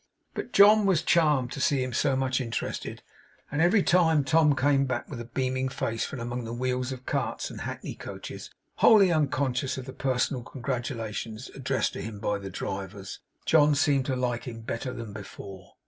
But John was charmed to see him so much interested, and every time Tom came back with a beaming face from among the wheels of carts and hackney coaches, wholly unconscious of the personal congratulations addressed to him by the drivers, John seemed to like him better than before.